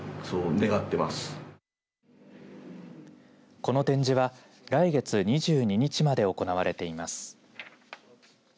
この展示は来月２２日まで行われています。